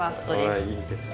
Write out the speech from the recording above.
いいですね。